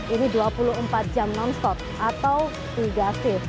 ini dua puluh empat jam non stop atau tiga shift